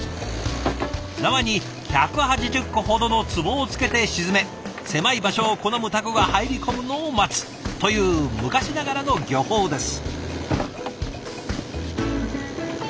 縄に１８０個ほどの壺をつけて沈め狭い場所を好むタコが入り込むのを待つという昔ながらの漁法です。